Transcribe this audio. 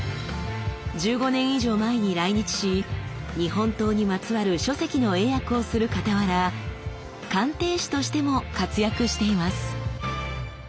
１５年以上前に来日し日本刀にまつわる書籍の英訳をするかたわら鑑定士としても活躍しています。